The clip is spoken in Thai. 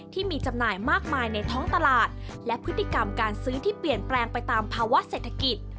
ที่มีจำหน่ายมากมายในท้องตลาด